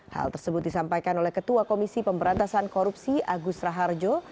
hal tersebut disampaikan oleh ketua komisi pemberantasan korupsi agus raharjo